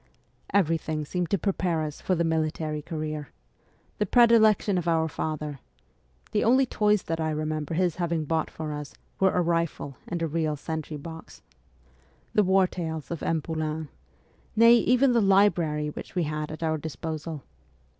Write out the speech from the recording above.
Everything seemed to prepare us for the military career : the predilection of our father (the only toys that I remember his having bought for us were a rifle and a real sentry box) ; the war tales of M. Poulain ; nay, even the library which we had at our disposal.